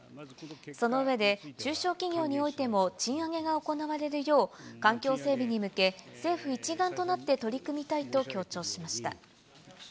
その上で、中小企業においても賃上げが行われるよう、環境整備に向け、政府一丸となって取り組みたいと強調しました。